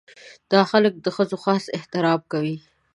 دا خلک د ښځو خاص احترام کوي.